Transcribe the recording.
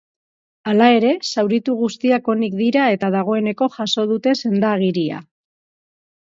Hala ere, zauritu guztiak onik dira eta dagoeneko jaso dute senda-agiria.